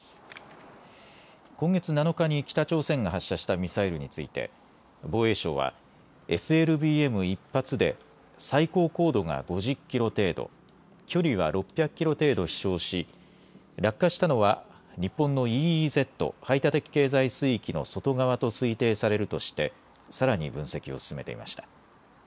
今月７日に北朝鮮が発射したミサイルについて防衛省はＳＬＢＭ１発で最高高度が５０キロ程度、距離は６００キロ程度飛しょうし落下したのは日本のＥＥＺ・排他的経済水域の外側と推定されるとしてさらに分析を進めていました。